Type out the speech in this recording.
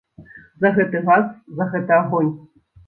За гэты газ, за гэты агонь.